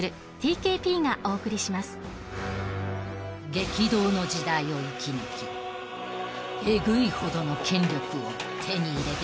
［激動の時代を生き抜きエグいほどの権力を手に入れてしまった男］